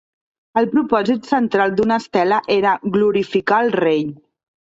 El propòsit central d'una estela era glorificar el rei.